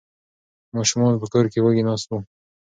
ماشومان په کور کې وږي ناست وو.